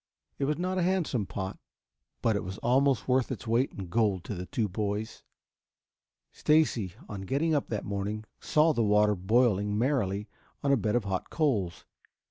It was not a handsome pot, but it was almost worth its weight in gold to the two boys. Stacy, on getting up that morning, saw the water boiling merrily on a bed of hot coals.